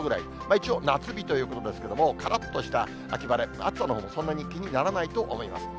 一応夏日ということですけれども、からっとした秋晴れ、暑さのほうもそんなに気にならないと思います。